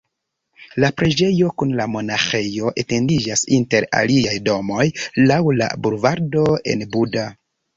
La preĝejo kun la monaĥejo etendiĝas inter aliaj domoj laŭ la bulvardo en Buda.